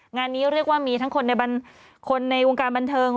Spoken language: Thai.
งานนี้เรียกว่ามีทั้งคนในวงการบันเทิง